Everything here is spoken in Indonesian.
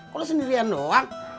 kok lu sendirian doang